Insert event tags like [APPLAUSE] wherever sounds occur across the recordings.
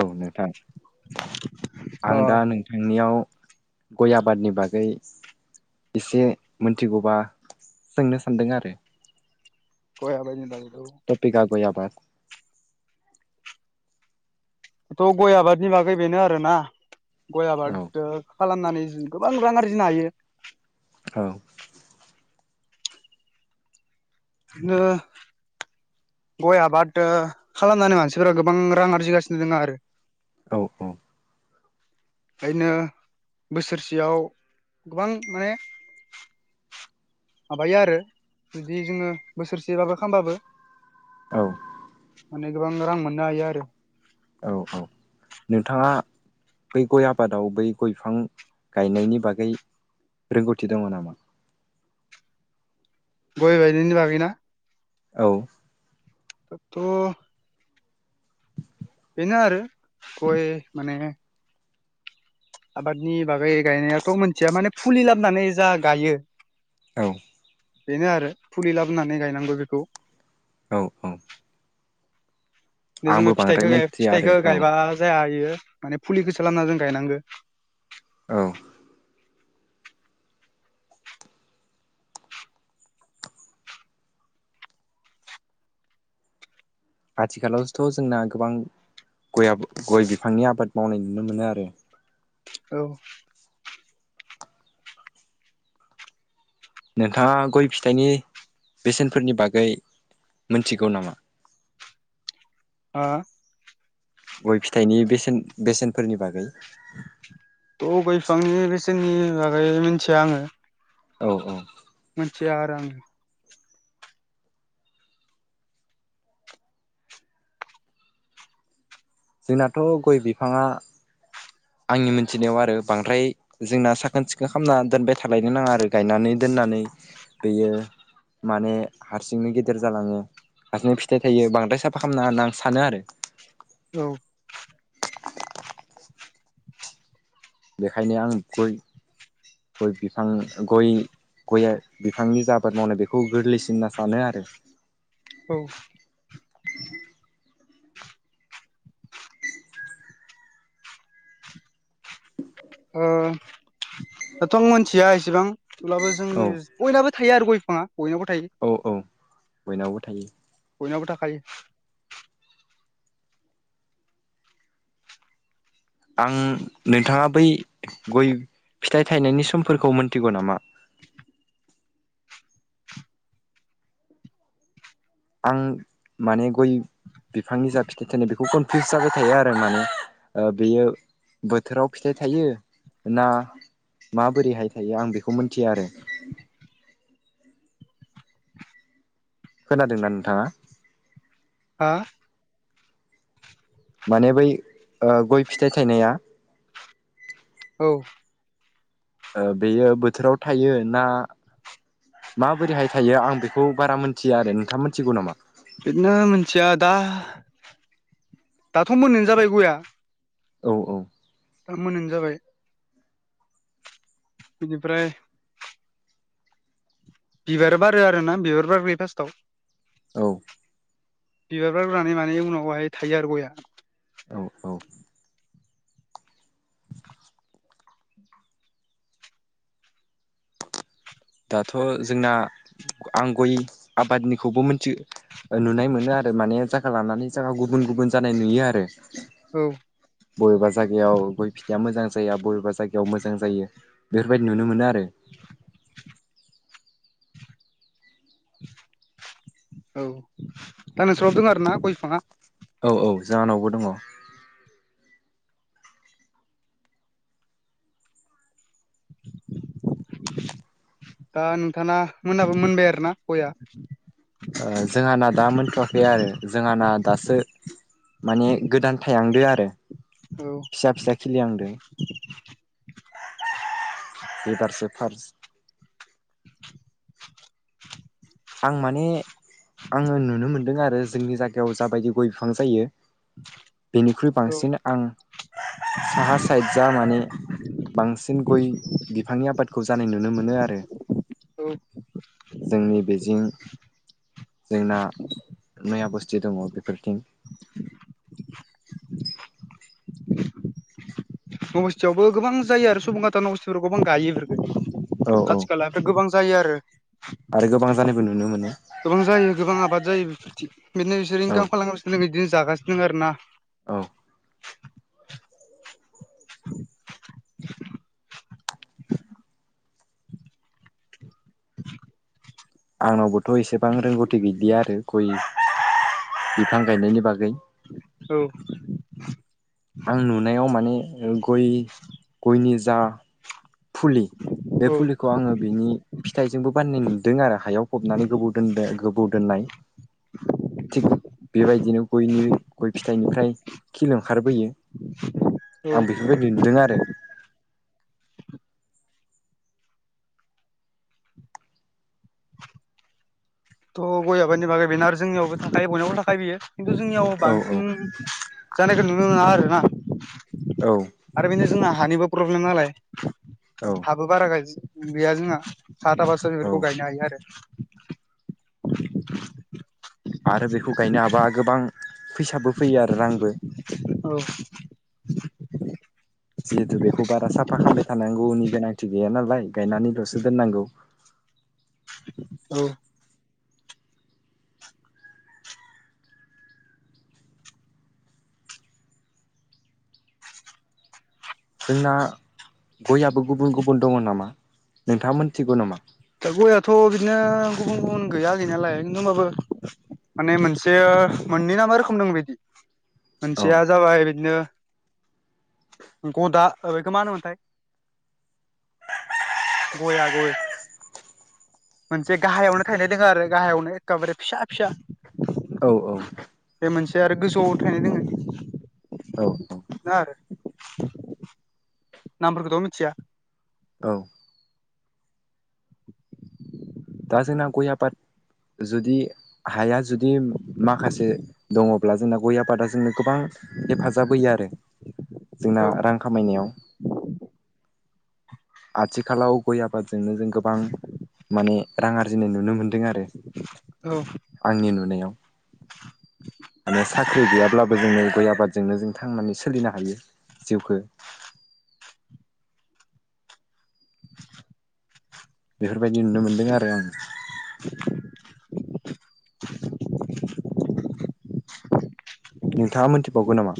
औ नोंथां। आं अ दा नों थांनियाव गय आबादनि बागै इसे मोनथिगौबा सोंनो सानदों आरो। गय आबादनि बागै औ। [UNINTELLIGIBLE] गय आबाद। थ' गय आबादनि बागै बेनो आरोना गय औ आबाद खालामनानै जों गोबां रां आरजिनो हायो। औ। ओ गय आबाद खालामनानै मानसिफोरा गोबां रां आरजिगासिनो दङ आरो। औ औ बेखायनो बोसोरसेयाव गोबां माने माबायो आरो जुदि जोङो बोसोरसे माबा खालामबाबो। औ माने गोबां रां मोननो हायो आरो। औ औ नोंथाङा बै गय आबादाव बै गय बिफां गायनायनि बागै रोंगौथि दङ नामा? गय गायनायनि बागै ना? औ दाथ' बेनो आरो गय माने आबादनि बागै गायनायाथ' मोनथिया माने फुलि लाबोनानै जा गायो औ बेनो आरो फुलि लाबोनानै गायनांगौ बेखौ। औ औ आंबो जोङो बांद्राय फिथाइखौ मोनथिया आरो फिथाइखौ औ गायबा जाया। माने फुलिखौसो लाबोना जों गायनांगोन। औ आथिखालावथ' जोंना गोबां गय आबाद गय बिफांनि आबाद मावनाय नुनो मोनो आरो। औ नोंथाङा गय फिथाइनि बेसेनफोरनि बागै मोनथिगौ नामा? [INAUDIBLE] गय फिथाइनि बेसेन बेसेनफोरनि बागै गय बिफांनि बेसेननि बागै मिथिया आङो। औ औ। मिथिआ आरो आं। जोंनाथ' गय बिफाङा आंनि मोनथिनायाव आरो बांद्राय जोंना साखोन सिखोन खालामना दोनबाय थालायनो नाङा आरो गायनानै दोननानै बेयो। माने हारसिंनो गेदेर जालाङो। हारसिंनो फिथाइ थायो बांद्राय साफा खालामनाङा होनना आं सानो आरो। औ बेखायनो आं गय गय बिफां गय गया बिफांनि जा आबाद मावनाय बेखौ गोरलैसिन होनना सानो आरो। औ ओ दाथ' आं मिथिया इसिबां थेवब्लाबो जोंनि औ बयनावबो थायो आरो गय बिफाङा बयनावबो थायो। औ औ बयनावबो थायो। बयनावबो थाखायो। आं नोंथाङा बै गय फिथाइ थायनायनि समफोरखौ मोनथिगौ नामा? आं माने गय बिफांनि जा फिथाइ थाइनाय बेखौ कनफिउस जाबाय थायो आरोना बेयो बोथोराव फिथाइ थायो ना माबोरैहाय थायो आं बेखौ मिथिया आरो। खोनादोंना नोंथाङा? हा माने बै ओ गय फिथाइ थायनाया औ बेयो बोथोराव थायो ना माबोरैहाय थायो आं बेखौ बारा मोनथिया आरो। नोंथाङा मोनथिगौ नामा? बिदिनो मिथिया दा दाथ' मोन्नाय जाबाय गया। औ औ। दा मोनानो जाबाय। बिनिफ्राय बिबार बारो आरोना बिबार बारग्रोयो फार्स्टआव। औ। बिबार बारग्रोनानै माने उनावहाय थायो आरो गयआ औ औ। दाथ' जोंना आं गय आबादनिखौबो मोन्थि ओ नुनाय मोनो आरो माने जागा लानानै जागा गुबुन गुबुन जानाय नुयो आरो। औ। बबेबा जायगायाव गय फिथाइया मोजां जाया बबेबा जायगायाव मोजां जायो। बेफोरबायदि नुनो मोनो आरो। [INAUDIBLE] औ दा नोंसानाव दों आरोना गय फिफाङा? औ औ जाहानावबो दङ। [INAUDIBLE] दा नोंथाना मोननाबो मोनबाय आरोना गया? ओ जोङाना दा मोनथ'वाखै आरो जोङाना दासो माने गोदान थायहांदो आरो। औ। फिसा फिसा खिलिहांदो एबारसो फार्स। [INAUDIBLE] आं माने आङो नुनो मोनदों आरो जोंनि जायगायाव जाबायदि गय बिफां जायो बेनिख्रुइ औ बांसिन आं साहा साइडजा माने बांसिन गय बिफांनि आबादखौ जानाय नुनो मोनो आरो। औ जोंनि बे जों जोंना नयाबस्थि दङ बेफोरथिं [INAUDIBLE] नबस्थियावबो गोबां जायो आरो सुबुनखाथा नबस्थि फोराव गोबां गायो औ बेफोरफोरखौ औ खाथिखाला फोर गोबां जायो आरो। आरो गोबां जानायबो नुनो मोनो। गोबां जायो गोबां आबाद जायो बेफोरथिं बिदिनो बिसोर औ इनकाम खालामगासिनो बिदिनो जागासिनो दं आरो ना। औ आंनावबोथ' एसेबां रोंगौथि गैलिया आरो गय बिफां गायनायनि बागै। औ। आं नुनायाव माने ओ गय गयनि जा फुलि बे फुलिखौ आङो बिनि फिथाइजोंबो बानायनाय नुदों आरो हायाव फबनानै गोबाव दोन्दो गोबाव दोननाय। थिग बेबायदिनो गयनि गय फिथाइनिफ्राय खिल ओंखारबोयो। औ आं बेफोरबायदि नुदों आरो। थ' गय आबादनि बागै बेनो आरो जोंनियावबो थाखायो बयनावबो थाखायो बियो। खिन्थु जोंनियाव औ औ बांसिन जानायखो नुनो मोना आरोना। औ आरो बेनो जोंना हानिबो प्रब्लेम नालाय। औ। बो बारा गायज गैया जोङा हा थाबासो बेफोरखौ औ गायनो हायो आरो। [INAUDIBLE] आरो बेखौ गायनो हाबा गोबां फैसाबो फैयो आरो रांबो। औ। जिहेथु बेखौ बारा साफा खामबाय थानांगौनि गोनांथि गैया नालाय गायनानै ल'सो दोननांगौ। औ। जोंना गयाबो गुबुन गुबुन दङ' नामा नोंथाङा मोनथिगौ नामा? दा गयाथ' बिदिनो गुबुन गुबुन गैया गैनायालाय नो होमबाबो माने मोनसे मोननै ना मा रोखोम दों बेदि औ मोनसेया जाबाय बेदिनो गदा ओ बेखो मा होनो मोनथाय। गया गय। मोनसे गाहायावनो थायनाय दोङो आरो गाहायावनो एखेबारे फिसा फिसा। औ औ। बे मोनसे आरो गोजौआव थायनाय दोङो औ बेनो आरो नामफोरखोथ' मिथिया। औ दा जोंना गय आबाद जुदि हाया जुदि माखासे दङ'ब्ला जोंना गय आबादा जोंनो गोबां हेफाजाब होयो आरो जोंना औ रां खामायनायाव। आथिखालाव गय आबादजोंनो जों गोबां माने रां आरजिनाय नुनो मोनदों आरो औ आंनि नुनायाव। माने साख्रि गैयाब्लाबो जोंनो गय आबादजोंनो जों थांनानै सोलिनो हायो जिउखो। बेफोरबायदि नुनो मोन्दों आरो आं। नोंथाङा मोनथिबावगौ नामा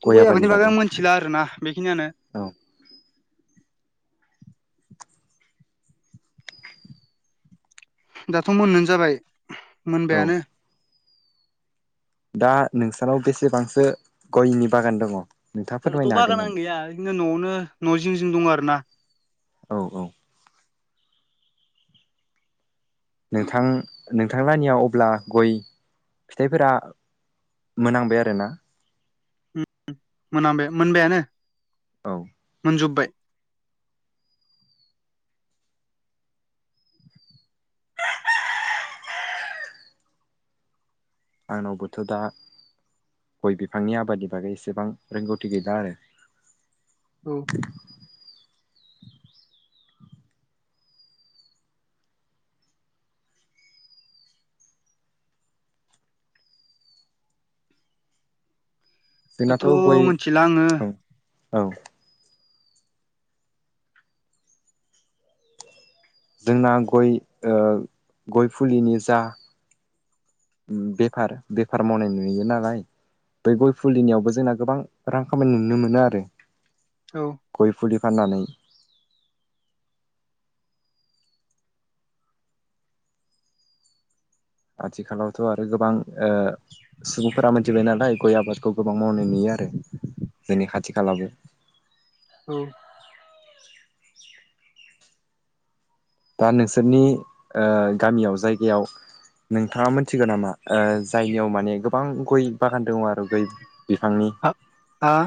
थ' गय आबादनि बागै आं मोनथिला आरोना बेखिनियानो। औ। दाथ' मोन्नोनो जाबाय औ मोनबायानो। दा नोंसानाव बेसेबांसो गयनि बागान दङ'। नोंथाङा जोंनाथ' फोरमायनो हागोन नामा बागानानो गैया बिदिनो न'आवनो न' जिं जिं दं आरो ना। औ औ। नोंथां नोंथां लानिया अब्ला गय फिथाइफोरा मोनहांबाय आरो ना। उम मोनामबाय मोनबायानो। औ। मोनजोब्बाय। आंनावबोथ' दा गय बिफांनि आबादनि बागै एसेबां रोंगौथि गैला आरो औ। दाथ' जोंनाथ' गय मिथिला आङो औ औ। जोंना गय ओ गय फुलिनि जा उम बेफार बेफार मावनाय नुयो नालाय। बे गय फुलिनियावबो जोंना गोबां रां खामायनाय नुनो मोनो आरो औ गय फुलि फाननानै आथिखालावथ' आरो गोबां ओ सुबुंफोरा मिथिबाय नालाय गय आबादखौ गोबां मावनाय नुयो आरो जोंनि खाथि खालाबो। औ दा नोंसोरनि गामियाव जायगायाव नोंथाङा मोनथिगौ नामा ओ जायनियाव माने गोबां गय बागान दङ आरो गय बिफांनि हा?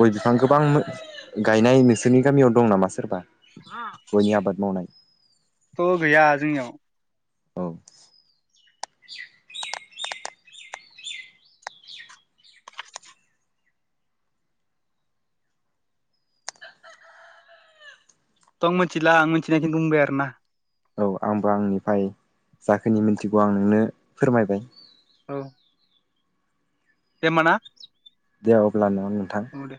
गय बिफां गोबां गायनाय नोंसोरनि गामियाव दं नामा सोरबा? गयनि आबाद मावनाय। थ' गैया जोंनियाव औ थ' आं मिथिला आं मिथिनायखौ बुंबाय आरो ना। औ आंबो आंनिफ्राय जाखोनि मिन्थिगौ आं नोंनो फोरमायबाय। औ दे होनबा ना। दे अब्ला ना नोंथां औ दे